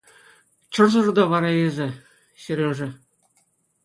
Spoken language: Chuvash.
Чӑрсӑр та вара эсӗ, Сережа.